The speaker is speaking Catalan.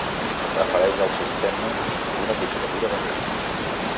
Prefereix el sistema d'una dictadura benigna.